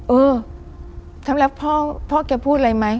เออทำแล้วพ่อพ่อแกพูดอะไรไหม